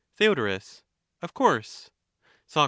Theod, Of course. Soc.